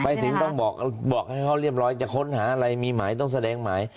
ไปถึงต้องบอกให้เขาเรียบร้อยจะค้นหาอะไรมีหมายต้องแสดงหมาย